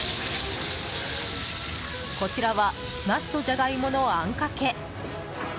こちらはナスとジャガイモのあんかけ。